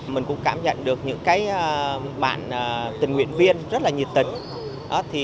mình cũng cảm nhận được những bạn tình nguyện viên rất là nhiệt tình